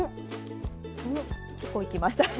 結構いきましたね。